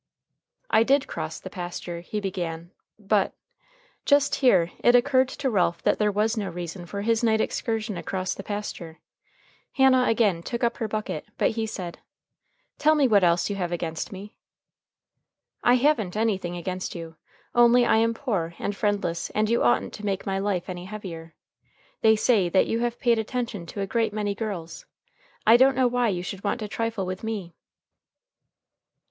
"I did cross the pasture," he began, "but " Just here it occurred to Ralph that there was no reason for his night excursion across the pasture. Hannah again took up her bucket, but he said: "Tell me what else you have against me." "I haven't anything against you. Only I am poor and friendless, and you oughtn't to make my life any heavier. They say that you have paid attention to a great many girls. I don't know why you should want to trifle with me."